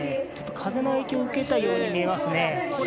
ちょっと風の影響を受けたように見えますね。